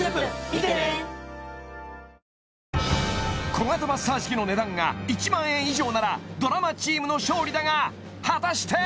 小型マッサージ器の値段が１万円以上ならドラマチームの勝利だが果たして！？